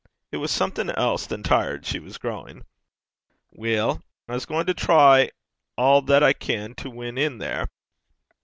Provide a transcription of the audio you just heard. It was something else than tired she was growing. 'Weel, I'm gaein' to try a' that I can to win in there.'